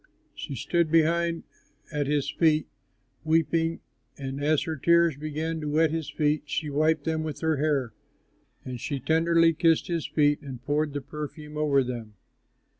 She stood behind at his feet, weeping; and as her tears began to wet his feet, she wiped them with her hair. And she tenderly kissed his feet and poured the perfume over them.